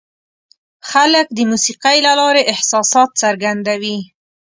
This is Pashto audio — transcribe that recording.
خلک د موسیقۍ له لارې احساسات څرګندوي.